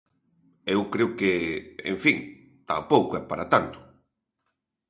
E eu creo que, en fin, tampouco é para tanto.